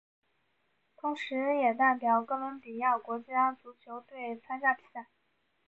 同时也代表哥伦比亚国家足球队参加比赛。